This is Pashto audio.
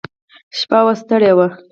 شپه وه ستړي وو.